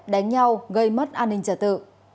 đánh nhau gây mất an ninh trả tự